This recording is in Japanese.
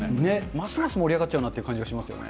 ますます盛り上がっちゃうなって感じがしますね。